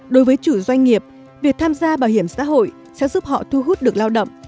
đối với chủ doanh nghiệp việc tham gia bảo hiểm xã hội sẽ giúp họ thu hút được lao động